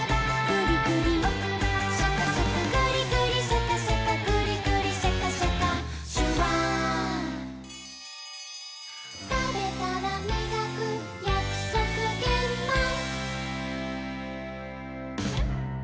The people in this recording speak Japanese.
「グリグリシャカシャカグリグリシャカシャカ」「シュワー」「たべたらみがくやくそくげんまん」